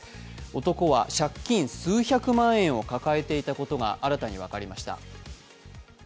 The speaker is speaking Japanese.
男は借金、数百万円を抱えていたことが新たに分かりました。